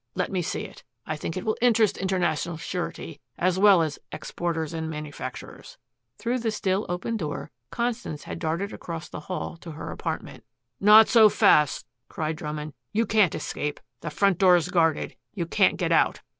Let me see it. I think it will interest International Surety as well as Exporters and Manufacturers." Through the still open door Constance had darted across the hall to her apartment. "Not so fast," cried Drummond. "You can't escape. The front door is guarded. You can't get out."